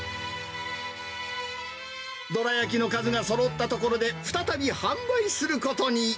どら焼きの数がそろったところで、再び販売することに。